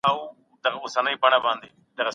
د ښځو په اړه د ځوانانو معلومات کم وي.